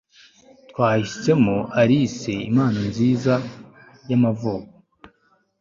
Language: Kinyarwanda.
twahisemo alice impano nziza y'amavuko